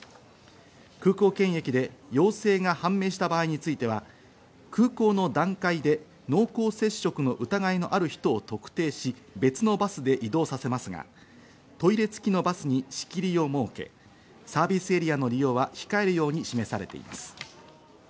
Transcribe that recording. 空港検疫で陽性が判明した場合については、空港の段階で濃厚接触の疑いのある人を特定し、別のバスで移動させますが、トイレ付きのバスに仕切りを設け、サービスエリアの利用は控えるように示されています。